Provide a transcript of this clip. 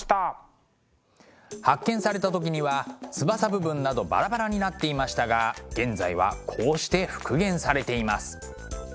発見された時には翼部分などバラバラになっていましたが現在はこうして復元されています。